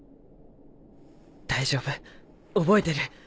大丈夫覚えてる。